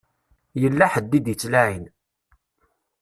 Yella ḥedd i d-ittlaɛin.